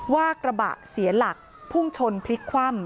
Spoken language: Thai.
ว่ากระบะเสียหลักพุ่งชนพลิกคว่ำ